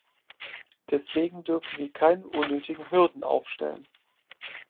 Deswegen dürfen wir keine unnötigen Hürden aufstellen.